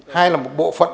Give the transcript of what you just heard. hai là một bộ phận